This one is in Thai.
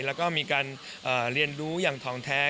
แล้วก็มีการเรียนรู้อย่างทองแท้